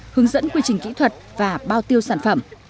hướng dẫn quy trình kỹ thuật và bao tiêu sản phẩm